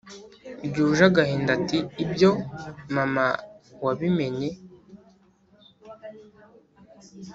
ryuje agahinda ati ibyo mama wabimenye